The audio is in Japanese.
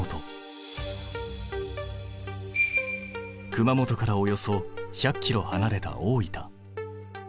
熊本からおよそ１００ｋｍはなれた大分。